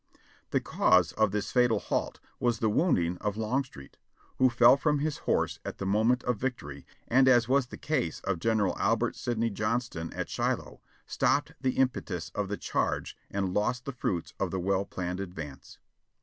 The cause of this fatal halt was the wounding of Longstreet, who fell from his horse at the moment of victory, and as was the case of Gen. Albert Sidney Johnston at Shiloh, stopped the impetus of the charge and lost the fruits of the well planned advance.